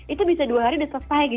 itu bisa dua hari udah selesai gitu